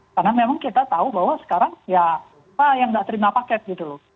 karena memang kita tahu bahwa sekarang ya pak yang tidak terima paket gitu loh